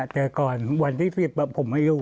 แต่ก่อนวันที่๑๐ผมไม่อยู่